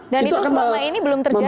dan itu semua ini belum terjadi ya prof